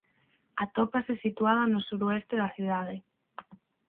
Atópase situada no suroeste da cidade.